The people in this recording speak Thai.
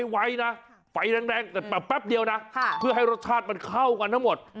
ไว้นะไฟแดงแต่แป๊บเดียวนะเพื่อให้รสชาติมันเข้ากันทั้งหมด